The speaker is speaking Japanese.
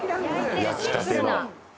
焼きたての。